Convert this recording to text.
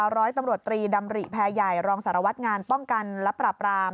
ร้อยตำรวจตรีดำริแพรใหญ่รองสารวัตรงานป้องกันและปราบราม